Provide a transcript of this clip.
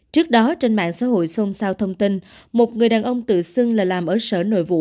trước đó trên mạng xã hội xôn xao thông tin một người đàn ông tự xưng là làm ở sở nội vụ